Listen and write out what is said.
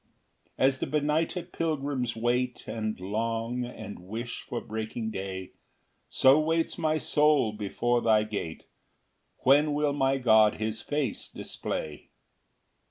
3 As the benighted pilgrims wait, And long, and wish for breaking day, So waits my soul before thy gate; When will my God his face display?